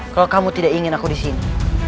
kalau kamu tidak ingin aku disini